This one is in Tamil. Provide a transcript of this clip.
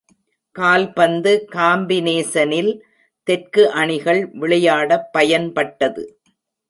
கால்பந்து காம்பினேசனில் தெற்கு அணிகள் விளையாடப் பயன்பட்டது.